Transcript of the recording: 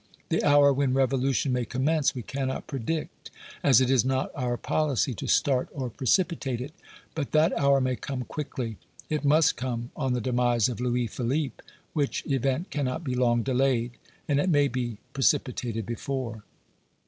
The hour when revolution may commence we cannot predict, as it is not our policy to start or precipitate it; but that hour may come quickly. It must come on the demise of Louis Philippe, which event cannot be long delayed, and it may be precipitated before.